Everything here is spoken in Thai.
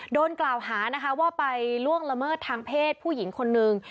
โดนกล่าวหานะคะว่าไปล่วงละเมิดทางเพศผู้หญิงคนนึง